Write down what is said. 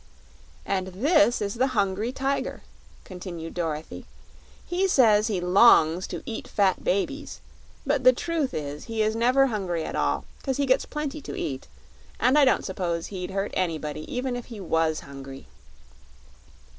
"And this is the Hungry Tiger," continued Dorothy. "He says he longs to eat fat babies; but the truth is he is never hungry at all, 'cause he gets plenty to eat; and I don't s'pose he'd hurt anybody even if he WAS hungry."